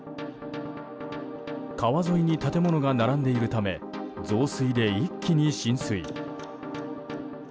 川沿いに建物が並んでいるため増水で一気に浸水。